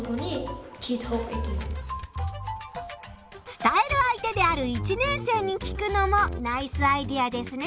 伝える相手である１年生に聞くのもナイスアイデアですね。